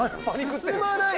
進まない。